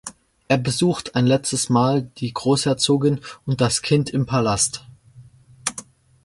Er besucht ein letztes Mal die Großherzogin und das Kind im Palast.